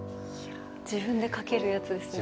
自分で掛けるやつですね。